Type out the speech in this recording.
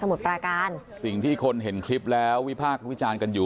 มีกล้วยติดอยู่ใต้ท้องเดี๋ยวพี่ขอบคุณ